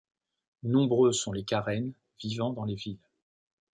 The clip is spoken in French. Nombreux sont les Karens vivant dans les villes.